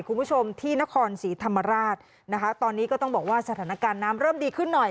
คุณผู้ชมที่นครศรีธรรมราชนะคะตอนนี้ก็ต้องบอกว่าสถานการณ์น้ำเริ่มดีขึ้นหน่อย